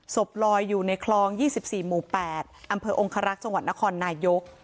ศพลอยอยู่ในคลอง๒๔หมู่๘อำเภอองคารักษ์จังหวัดนครนายก